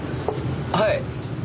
はい。